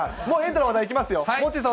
もうエンタの話題いきますよ。